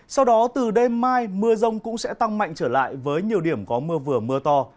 sau đó từ đêm mai mưa rông cũng sẽ tăng mạnh trở lại với nhiều điểm có mưa vừa mưa to